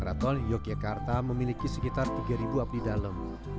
raton yogyakarta memiliki sekitar tiga ribu abdi dalam